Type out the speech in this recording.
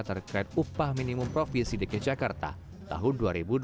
terkait upah minimum profil dg jakarta tahun dua ribu dua puluh dua